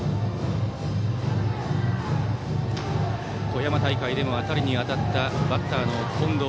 富山大会でも当たりに当たったバッターの近藤。